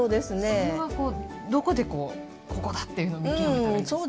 それはどこでここだというのを見極めたらいいですか？